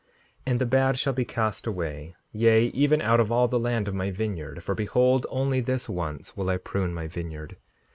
5:69 And the bad shall be cast away, yea, even out of all the land of my vineyard; for behold, only this once will I prune my vineyard.